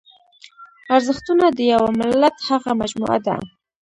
ارزښتونه د یوه ملت هغه مجموعه ده.